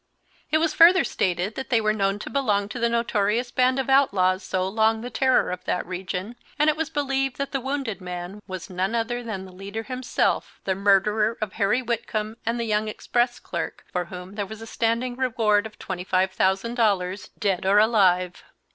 It was further stated that they were known to belong to the notorious band of outlaws so long the terror of that region, and it was believed the wounded man was none other than the leader himself, the murderer of Harry Whitcomb and the young express clerk, for whom there was a standing reward of twenty five thousand dollars, dead or alive.